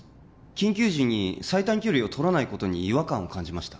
緊急時に最短距離を取らない事に違和感を感じました